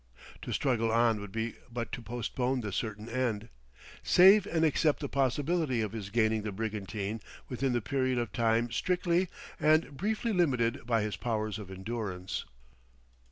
To struggle on would be but to postpone the certain end ... save and except the possibility of his gaining the brigantine within the period of time strictly and briefly limited by his powers of endurance.